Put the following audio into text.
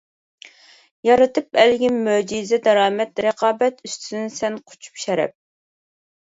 يارىتىپ ئەلگە مۆجىزە دارامەت، رىقابەت ئۈستىدىن سەن قۇچۇپ شەرەپ.